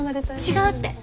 違うって。